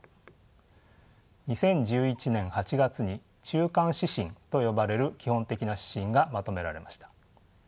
２０１１年８月に中間指針と呼ばれる基本的な指針がまとめられました。